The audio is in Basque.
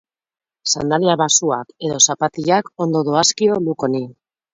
Sandalia baxuak edo zapatilak ondo doazkio look honi.